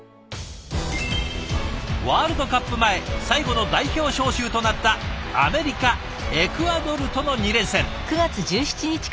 ワールドカップ前最後の代表招集となったアメリカエクアドルとの２連戦。